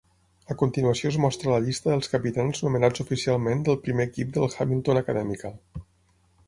A continuació es mostra la llista dels capitans nomenats oficialment del primer equip del Hamilton Academical.